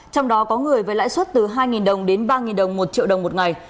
trong đó có người với lãi suất từ hai đồng đến ba đồng một triệu đồng một ngày